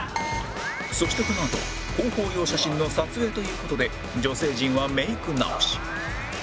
そしてこのあとは広報用写真の撮影という事で女性陣はメイク直し